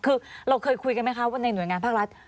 คือเราเคยคุยกันไหมคะว่าในหน่วยงานภาครัฐ